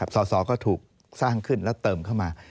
สอสอก็ถูกสร้างขึ้นแล้วเติมเข้ามา